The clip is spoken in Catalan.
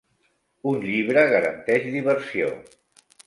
Un llibre garanteix diversió.